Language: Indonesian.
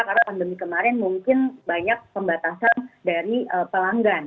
karena pandemi kemarin mungkin banyak pembatasan dari pelanggan